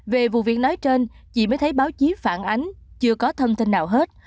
về vụ việc nói trên chị mới thấy báo chí phản ánh chưa có thông tin nào hết